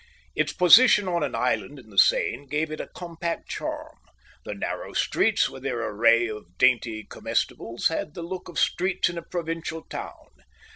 Its position on an island in the Seine gave it a compact charm. The narrow streets, with their array of dainty comestibles, had the look of streets in a provincial town.